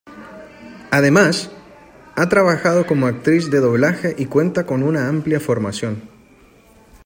Además, ha trabajado como actriz de doblaje y cuenta con una amplia formación.